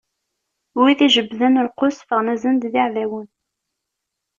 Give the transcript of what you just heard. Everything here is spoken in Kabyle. Wid ijebbden lqus ffɣen-as-d d iɛdawen.